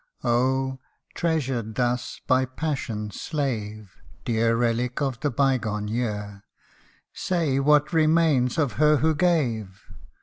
OH ! treasured thus by passion's slave, Dear relic of the bygone year ; Say, what remains of her who gave